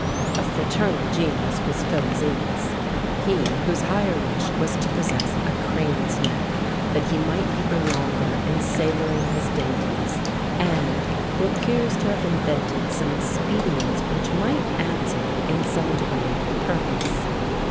A fraternal genius was Philoxenus: he whose higher wish was to possess a crane's neck, that he might be the longer in savouring his dainties; and who appears to have invented some expedients which might answer, in some degree, the purpose.